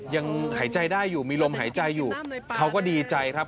ยังหายใจได้อยู่มีลมหายใจอยู่เขาก็ดีใจครับ